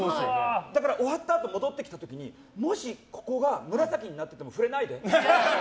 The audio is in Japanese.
だから、終わったあと戻ってきた時にもし、ここが紫になってても触れないで。